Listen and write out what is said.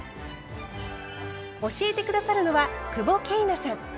教えて下さるのは久保桂奈さん。